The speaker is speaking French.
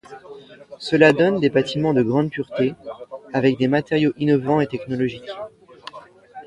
Cela donne des bâtiments de grande pureté, avec des matériaux innovants et technologiques.